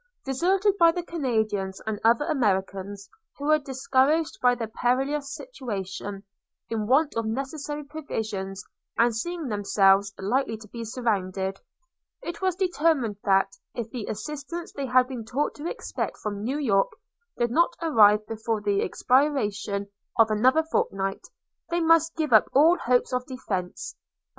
Deserted by the Canadians and other Americans, who were discouraged by their perilous situation – in want of necessary provisions, and seeing themselves likely to be surrounded – it was determined that, if the assistance they had been taught to expect from New York did not arrive before the expiration of another fortnight, they must give up all hopes of defence.